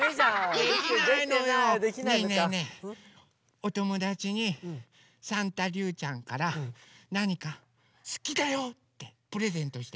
おともだちにサンタりゅうちゃんからなにか「すきだよ！」ってプレゼントして。